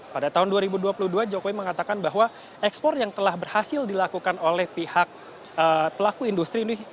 pada tahun dua ribu dua puluh dua jokowi mengatakan bahwa ekspor yang telah berhasil dilakukan oleh pihak pelaku industri ini